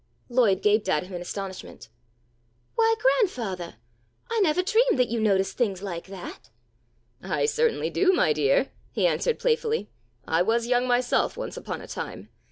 Lloyd gaped at him in astonishment. "Why grandfathah! I nevah dreamed that you noticed things like that!" "I certainly do, my dear," he answered playfully. "I was young myself once upon a time.